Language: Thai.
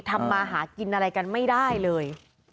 ทำมาหากินอะไรกันไม่ได้เลย